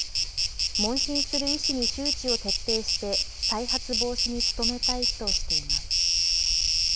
問診する医師に周知を徹底して、再発防止に努めたいとしています。